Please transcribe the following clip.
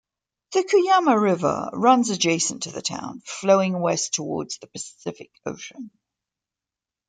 The Cuyama River runs adjacent to the town, flowing west towards the Pacific Ocean.